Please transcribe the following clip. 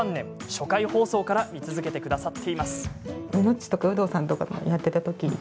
初回放送から見続けてくださっています。